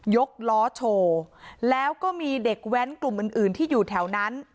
ล้อโชว์แล้วก็มีเด็กแว้นกลุ่มอื่นอื่นที่อยู่แถวนั้น